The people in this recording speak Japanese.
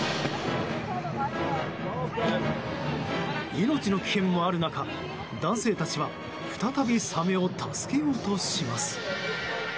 命の危険もある中男性たちは再びサメを助けようとします。